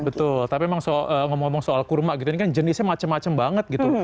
betul tapi memang ngomong ngomong soal kurma gitu ini kan jenisnya macem macem banget gitu